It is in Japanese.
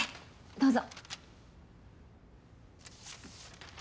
どうぞ。